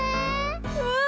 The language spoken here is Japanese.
うん！